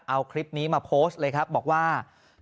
เอาคลิปนี้มาโพสต์เลยครับบอกว่า